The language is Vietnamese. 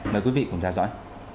mời quý vị cùng theo dõi